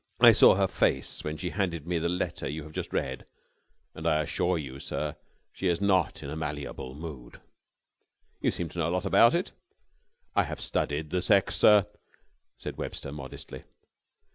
I saw her face when she handed me the letter you have just read, and I assure you, sir, she is not in a malleable mood." "You seem to know a lot about it!" "I have studied the sex, sir," said Webster modestly.